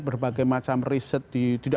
berbagai macam riset di tidak